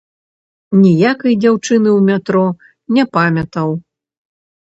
Ніякай дзяўчыны ў метро не памятаў.